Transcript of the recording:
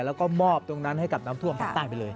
แล้วก็มอบตรงนั้นให้กับน้ำท่วมภาคใต้ไปเลย